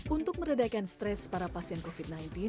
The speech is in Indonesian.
untuk meredakan stres para pasien covid sembilan belas